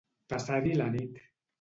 Passar-hi la nit.